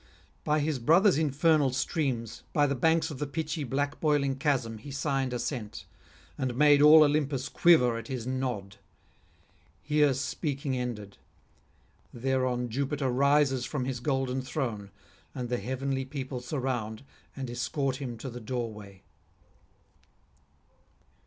By his brother's infernal streams, by the banks of the pitchy black boiling chasm he signed assent, and made all Olympus quiver at his nod. Here speaking ended: thereon Jupiter rises from his golden throne, and the heavenly people surround and escort him to the doorway.